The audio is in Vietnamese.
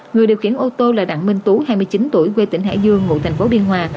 người điều khiển ô tô là đặng minh tú hai mươi chín tuổi quê tỉnh hải dương ngụ thành phố biên hòa